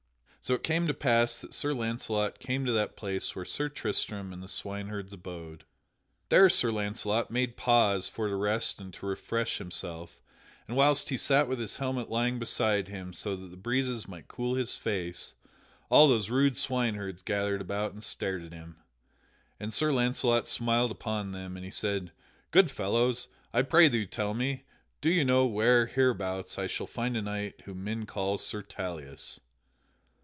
So it came to pass that Sir Launcelot came to that place where Sir Tristram and the swineherds abode. There Sir Launcelot made pause for to rest and to refresh himself, and whilst he sat with his helmet lying beside him so that the breezes might cool his face, all those rude swineherds gathered about and stared at him. And Sir Launcelot smiled upon them, and he said: "Good fellows, I pray you tell me; do you know where, hereabouts, I shall find a knight whom men call Sir Tauleas?"